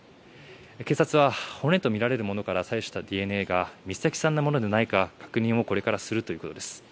警察は、骨とみられるものから採取したＤＮＡが美咲さんのものでないかこれから確認するということです。